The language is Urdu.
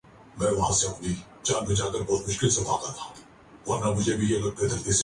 بلکہ ضرورت سے زیادہ آزاد ہے۔